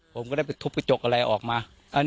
ผมก็ได้ไปทุบกระจกอะไรออกมา